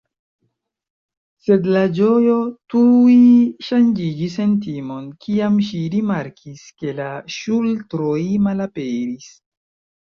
Sed la ĝojo tuj ŝanĝiĝis en timon, kiam ŝi rimarkis ke la ŝultroj malaperis.